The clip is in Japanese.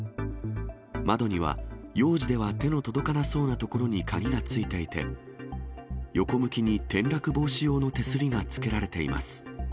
窓には幼児では手の届かなそうな所に鍵がついていて、横向きに転落防止用の手すりがつけられています。